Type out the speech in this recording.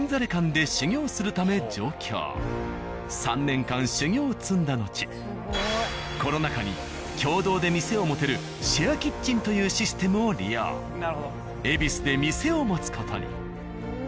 ３年間修業を積んだのちコロナ禍に共同で店を持てるシェアキッチンというシステムを利用恵比寿で店を持つ事に。